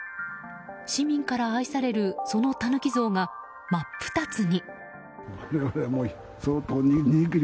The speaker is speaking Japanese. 市民から愛されるそのタヌキ像が真っ二つに。